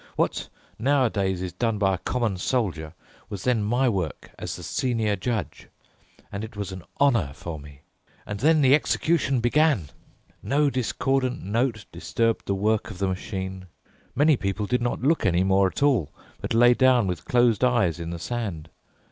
What nowadays is done by a common soldier was then my work as the senior judge, and it was a honour for me. And then the execution began! No discordant note disturbed the work of the machine. Many people did not look any more at all, but lay down with closed eyes in the sand.